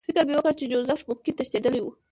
فکر مې وکړ چې جوزف ممکن تښتېدلی وي